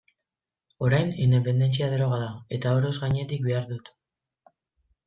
Orain, independentzia droga da, eta oroz gainetik behar dut.